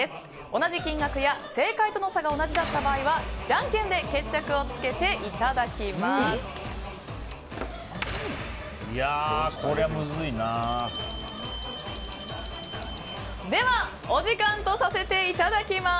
同じ金額や正解との差が同じだった場合はじゃんけんで決着をつけていただきます。